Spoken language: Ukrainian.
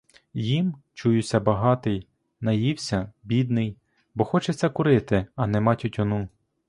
Їм — чуюся багатий, наївся — бідний, бо хочеться курити, а нема тютюну.